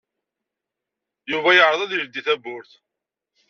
Yuba yeɛreḍ ad yeldey tawwurt.